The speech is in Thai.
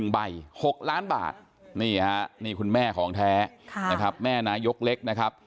๑ใบ๖ล้านบาทนี่คุณแม่ของแท้แม่นายกเล็กนะครับ